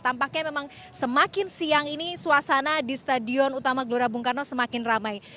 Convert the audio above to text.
tampaknya memang semakin siang ini suasana di stadion utama gelora bung karno semakin ramai